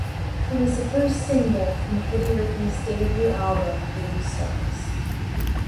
It was the first single from Pretty Ricky's debut album "Bluestars".